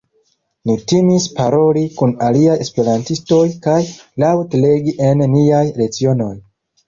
Ni timis paroli kun aliaj esperantistoj kaj laŭt-legi en niaj lecionoj.